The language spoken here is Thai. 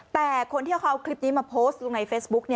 แต่คนที่เขาเอาคลิปนี้มาโพสต์ลงในเฟซบุ๊ก